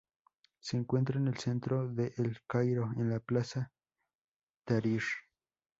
Se encuentra en el centro de El Cairo, en la plaza Tahrir.